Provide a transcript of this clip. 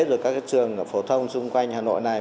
rồi các trường phổ thông xung quanh hà nội này